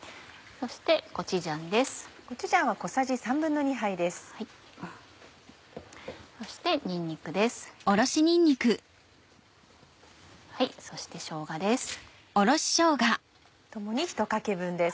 そしてしょうがです。